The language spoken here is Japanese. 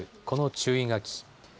この注意書き。